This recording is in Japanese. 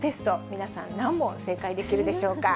皆さん、何問正解できるでしょうか。